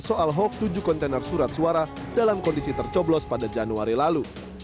soal hoax tujuh kontainer surat suara dalam kondisi tercoblos pada januari lalu